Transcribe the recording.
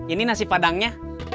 ini nasi padangnya